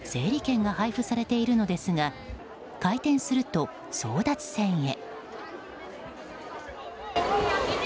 整理券が配布されているのですが開店すると、争奪戦へ。